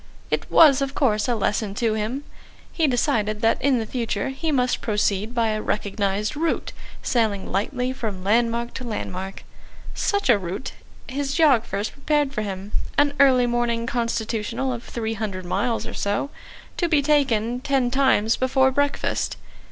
... It was, of course, a lesson to him. He decided that in the future he must proceed by a recognised route, sailing lightly from landmark to landmark. Such a route his Geographers prepared for him an early morning constitutional, of three hundred miles or so, to be taken ten times before breakfast.